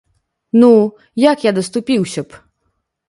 Ну, як я даступіўся б!